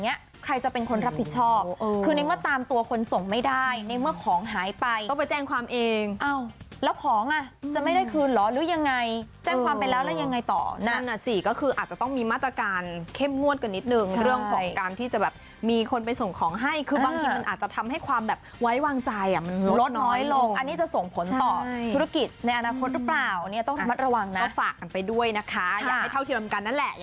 เนี้ยใครจะเป็นคนรับผิดชอบคือในเมื่อตามตัวคนส่งไม่ได้ในเมื่อของหายไปต้องไปแจ้งความเองอ้าวแล้วของอ่ะจะไม่ได้คืนหรอหรือยังไงแจ้งความไปแล้วแล้วยังไงต่อนั่นอ่ะสิก็คืออาจจะต้องมีมาตรการเข้มห้วนกันนิดหนึ่งเรื่องของการที่จะแบบมีคนไปส่งของให้คือบางทีมันอาจจะทำให้ความแบบไว้วางใจอ่ะมั